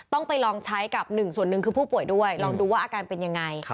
ต้องไปลองใช้กับหนึ่งส่วนหนึ่งคือผู้ป่วยด้วยลองดูว่าอาการเป็นยังไง